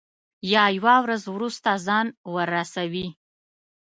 یا یوه ورځ وروسته ځان ورسوي.